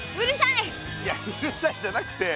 いやうるさいじゃなくて。